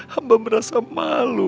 hamba merasa malu